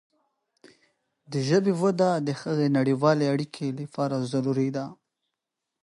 د ژبې وده د هغې د نړیوالې اړیکې لپاره ضروري ده.